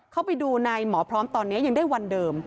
เข้าไปดูในหมอพร้อมตอนนี้ยังได้วันเดิม